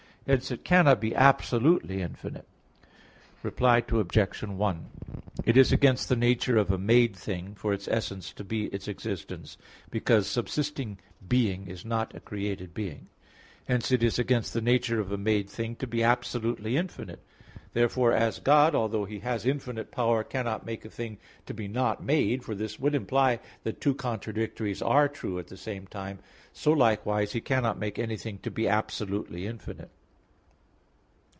Hence it cannot be absolutely infinite. Reply Obj. 1: It is against the nature of a made thing for its essence to be its existence; because subsisting being is not a created being; hence it is against the nature of a made thing to be absolutely infinite. Therefore, as God, although He has infinite power, cannot make a thing to be not made (for this would imply that two contradictories are true at the same time), so likewise He cannot make anything to be absolutely infinite.